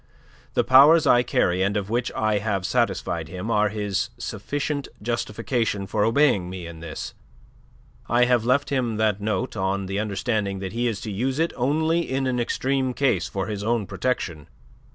The powers I carry and of which I have satisfied him are his sufficient justification for obeying me in this. I have left him that note on the understanding that he is to use it only in an extreme case, for his own protection.